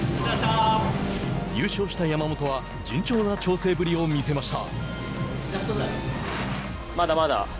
優勝した山本は順調な調整ぶりを見せました。